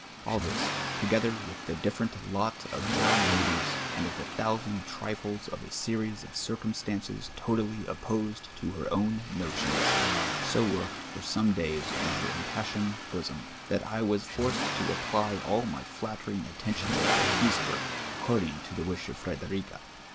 All this, toj^cthcr ■NVilh the dirtrrciit lot of toNm ladies, and the thousand trifles of a series of eireumstances totally opposed to her own notions, so worked for some days in her impassioned bosom, that I was forced to apply all my flattering; attention to appease her, accordin«:; to the •NN'ish of Frederica.